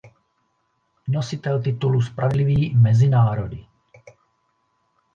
Nositel titulu Spravedlivý mezi národy.